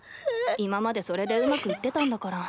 今までそれでうまくいってたんだから。